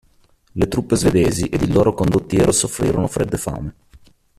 Le truppe svedesi ed il loro condottiero soffrirono freddo e fame.